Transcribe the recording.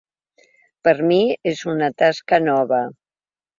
Per mi és una tasca nova.